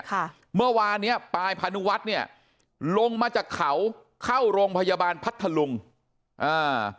เมื่อวานเนี้ยปายพานุวัฒน์เนี่ยลงมาจากเขาเข้าโรงพยาบาลพัทธลุงอ่า